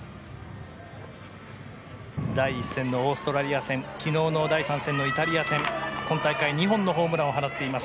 第１戦のオーストラリア戦昨日の第３戦のイタリア戦今大会２本のホームランを放っています。